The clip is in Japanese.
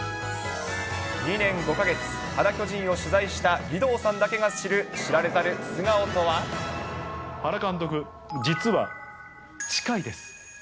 ２年５か月、原巨人を取材した義堂だけが知る、知られざる素顔と原監督、実は近いです。